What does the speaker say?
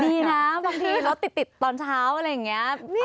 ดีนะบางทีรถติดตอนเช้าอะไรอย่างนี้